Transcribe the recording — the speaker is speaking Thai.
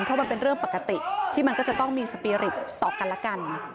เพราะมันเป็นเรื่องปกติที่มันก็จะต้องมีสปีริตต่อกันและกัน